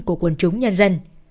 của quần chúng nhân dân